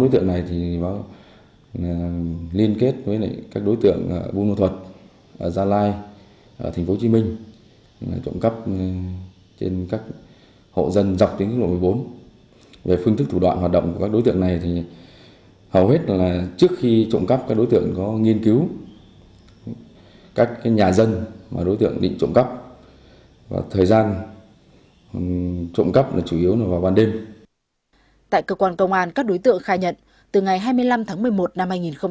tại cơ quan công an các đối tượng khai nhận từ ngày hai mươi năm tháng một mươi một năm hai nghìn một mươi năm đến tháng bốn năm hai nghìn một mươi sáu